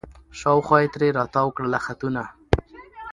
شاوخوا یې ترې را تاوکړله خطونه